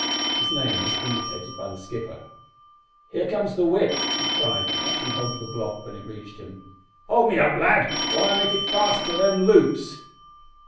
Its name was indicated by the skipper. "Here comes the whip," he cried, catching hold of the block when it reached him. "Hold me up, lad, while I make it fast to them loops."